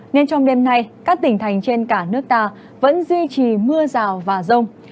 nên trong đêm nay các tỉnh thành trên cả nước ta vẫn duy trì mưa rào và rông